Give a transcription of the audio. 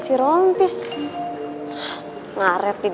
kalo gue gak bisa dapetin bulan gue gak mau dapetin bulan